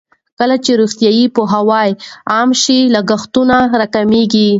کله چې روغتیايي پوهاوی عام شي، لګښتونه راکمېږي.